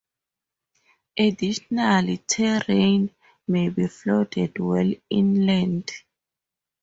Additionally, terrain may be flooded well inland.